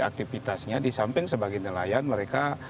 aktivitasnya di samping sebagai nelayan mereka